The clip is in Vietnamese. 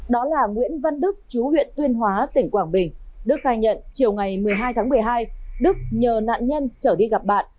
đó là nguyễn văn đức chú huyện tuyên hóa tỉnh quảng bình đức khai nhận chiều ngày một mươi hai tháng một mươi hai đức nhờ nạn nhân trở đi gặp bạn